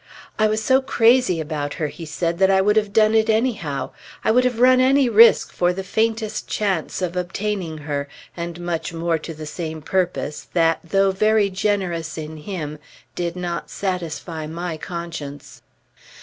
"I was so crazy about her," he said, "that I would have done it anyhow. I would have run any risk for the faintest chance of obtaining her"; and much more to the same purpose that, though very generous in him, did not satisfy my conscience.